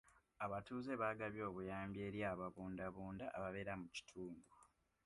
Abatuuze baagabye obuyambi eri ababundabunda ababeera mu kitundu.